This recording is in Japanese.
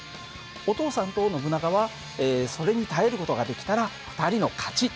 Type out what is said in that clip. お父さんとノブナガはそれに耐える事ができたら２人の勝ち。